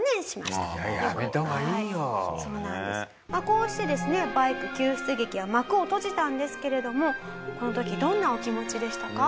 こうしてですねバイク救出劇は幕を閉じたんですけれどもこの時どんなお気持ちでしたか？